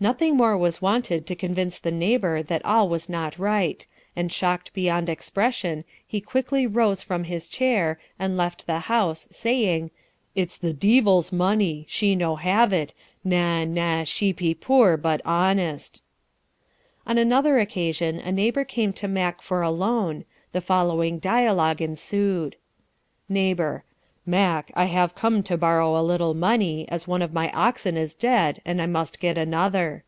"Nothing more was wanted to convince the neighbor that all was not right, and shocked beyond expression, he quickly rose from his chair, and left the house saying, 'It's the deevil's money, she no have it—na, na; she pe poor, but honest.'" "On another occasion a neighbor came to Mack for a loan. The following dialogue ensued: "Neighbor: 'Mack, I have come to borrow a little money, as one of my oxen is dead, and I must get another.'